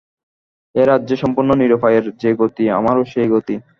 এ রাজ্যে সম্পূর্ণ নিরুপায়ের যে গতি, আমারও সেই গতি।